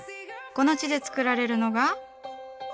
この地で造られるのが。